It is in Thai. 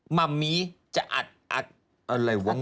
หม่ามีจะอัดอะไรวง